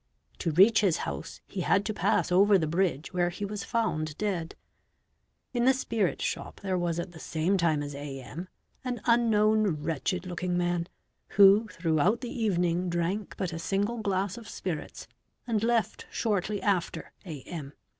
To reach his house he had to pass over the bridge where he was found dead. In the spirit shop there was at the same time as A.M., an unknown, wretched looking man, who throughout the evening drank but a single glass of spirits and left shortly after A.M.